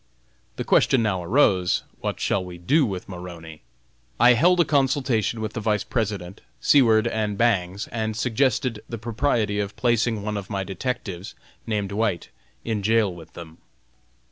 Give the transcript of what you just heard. The question now arose: What shall we do with Maroney? I held a consultation with the Vice President, Seward, and Bangs, and suggested the propriety of placing one of my detectives, named White, in jail with him.